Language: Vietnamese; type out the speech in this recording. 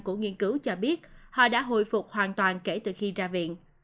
của nghiên cứu cho biết họ đã hồi phục hoàn toàn kể từ khi ra viện